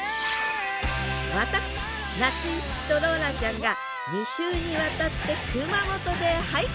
私夏井いつきとローランちゃんが２週にわたって熊本で俳句旅。